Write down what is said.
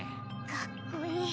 かっこいい。